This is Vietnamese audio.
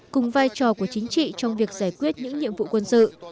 cùng vai trò của chính trị trong việc giải quyết những nhiệm vụ quân sự